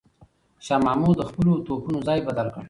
شاه محمود د خپلو توپونو ځای بدل کړ.